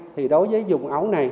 thì đối với dùng ấu này